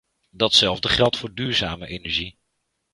Datzelfde geldt voor duurzame energie.